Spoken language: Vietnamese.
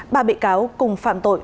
bà bị cáo cùng phạm tội